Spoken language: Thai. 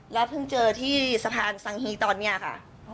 แล้วเพิ่งเจอที่สะพานสังฮีตอนนี้ค่ะ